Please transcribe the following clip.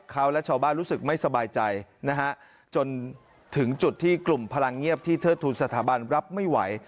เขาและชาวบ้านรู้สึกไม่สบายใจนะฮะจนถึงจุดที่กลุ่มพลังเงียบที่เทิดทุนสถาบันรับไม่ไหว